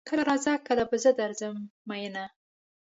کله راځه کله به زه درځم ميينه